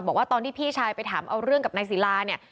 บอกว่าตอนที่พี่ชายไปถามเอาเรื่องกับนายศิลาเนี่ย